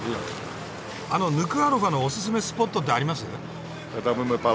あのヌクアロファのおすすめスポットってあります？